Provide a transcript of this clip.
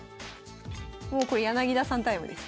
もうこれ柳田さんタイムです。